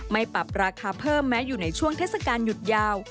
ปรับราคาเพิ่มแม้อยู่ในช่วงเทศกาลหยุดยาว